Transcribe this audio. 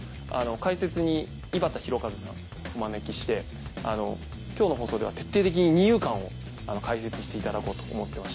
解説に井端弘和さんお招きして今日の放送では徹底的に二遊間を解説していただこうと思ってまして。